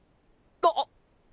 あっ！